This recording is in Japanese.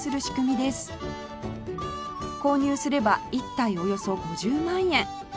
購入すれば１体およそ５０万円